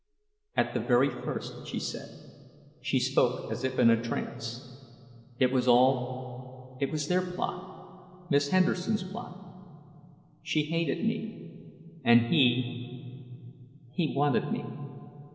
"At the very first," she said. She spoke as if in a trance. "It was all—it was their plot—Miss Henderson's plot. She hated me. And he—he wanted me.